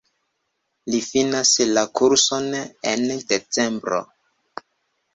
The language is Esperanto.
Li finas la kurson en decembro.